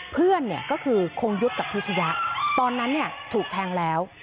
เพื่อนเนี่ยก็คือคงยุทธ์กับพิชยะตอนนั้นถูกแทงแล้ว